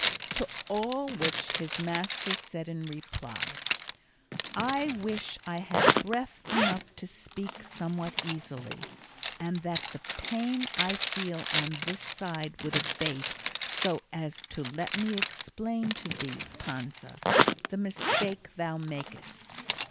To all which his master said in reply, "I wish I had breath enough to speak somewhat easily, and that the pain I feel on this side would abate so as to let me explain to thee, Panza, the mistake thou makest.